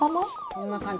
こんな感じ。